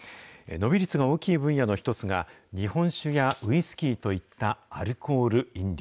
伸び率が大きい分野の一つが、日本酒やウイスキーといったアルコール飲料。